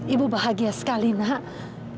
ibu bahagia sekali maha